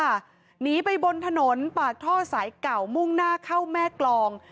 หนีไปบนถนนปากท่อสายเก่ามุ่งหน้าเข้าแม่กรอง